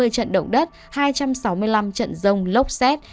hai mươi trận động đất hai trăm sáu mươi năm trận rông lốc xét